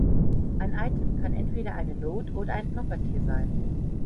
Ein Item kann entweder eine Node oder ein "Property" sein.